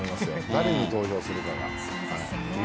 誰に投票するかが。